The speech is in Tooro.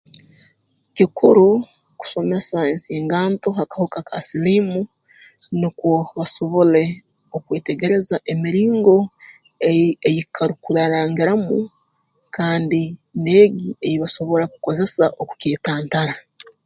Kikuru kusomesa ensinganto ha kahuka ka siliimu nukwo basobole okwetegereza emiringo ei ei karukurarangiramu kandi n'egi ei basobora kukozesa okukeetantara